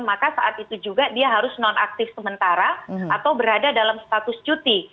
maka saat itu juga dia harus non aktif sementara atau berada dalam status cuti